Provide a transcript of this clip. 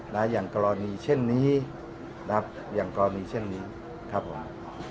อย่างกรณีเช่นนี้นะครับอย่างกรณีเช่นนี้ครับผม